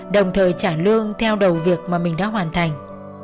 đồng thời trả lương theo đầu việc mà mình đã hoàn thành